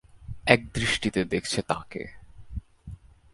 এক দৃষ্টিতে দেখছে তাঁকে।